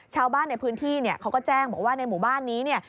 ชาวบ้านในพื้นที่เขาก็แจ้งบอกว่าในหมู่บ้านนี้เนี่ย